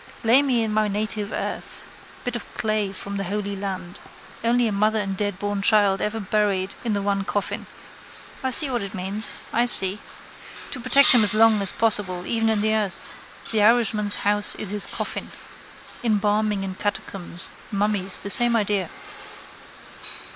Lay me in my native earth. Bit of clay from the holy land. Only a mother and deadborn child ever buried in the one coffin. I see what it means. I see. To protect him as long as possible even in the earth. The Irishman's house is his coffin. Embalming in catacombs, mummies the same idea.